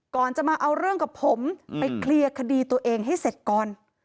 ก่อนจะมาเอาเรื่องกับผมไปเคลียร์คดีตัวเองให้เสร็จก่อน